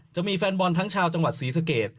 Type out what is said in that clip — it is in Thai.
จะมีแฟนบอลทั้งชาวจังหวัดศรีสเกต